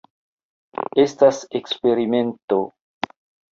Estas eksperimento.